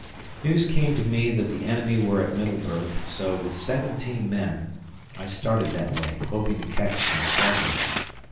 News came to me that the enemy were at Middleburg, so, with seventeen men, I started that way, hoping to catch some stragglers.